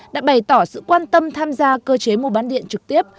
đã bày tỏ sự quan tâm tham gia cơ chế mua bán điện trực tiếp